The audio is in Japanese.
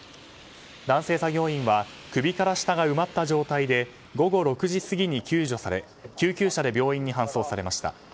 男性作業員は首から下が埋まった状態で午後６時過ぎに救助され救急車で病院に搬送されました。